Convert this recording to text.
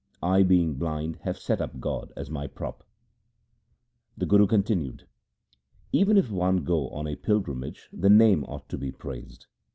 I being blind have set up God as my prop. 2 The Guru continued :' Even if one go on a pilgrimage, the Name ought to be praised.